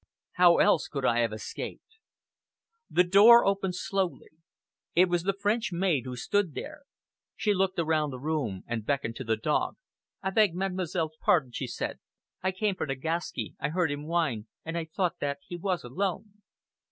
How else could I have escaped? The door opened slowly. It was the French maid who stood there. She looked around the room and beckoned to the dog. "I beg mademoiselle's pardon," she said. "I came for Nagaski. I heard him whine, and I thought that he was alone."